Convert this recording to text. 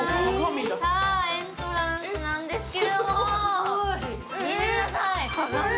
エントランスなんですけれども見てください、鏡。